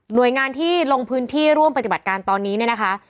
โดยงานที่ลงพื้นที่ร่วมปฏิบัติการตอนนี้เนี่ยนะคะ